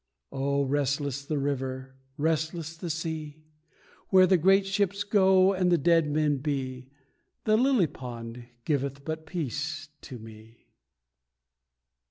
Oh, restless the river, restless the sea! Where the great ships go, and the dead men be; The lily pond giveth but peace to me.